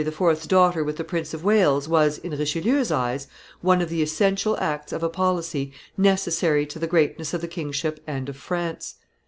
's daughter with the Prince of Wales was, in Richelieu's eyes, one of the essential acts of a policy necessary to the greatness of the kingship and of France.